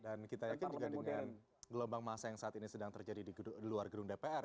dan kita yakin juga dengan gelombang masa yang saat ini sedang terjadi di luar gedung dpr